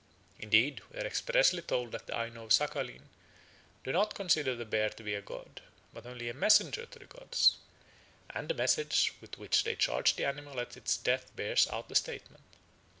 Indeed we are expressly told that the Aino of Saghalien do not consider the bear to be a god but only a messenger to the gods, and the message with which they charge the animal at its death bears out the statement.